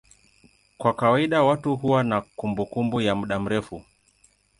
Kwa kawaida watu huwa na kumbukumbu ya muda mrefu.